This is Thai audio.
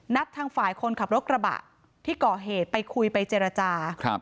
ทางฝ่ายคนขับรถกระบะที่ก่อเหตุไปคุยไปเจรจา